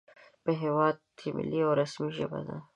په د هېواد ملي او رسمي ژبه ده